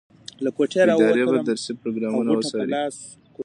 ادارې به درسي پروګرامونه وڅاري.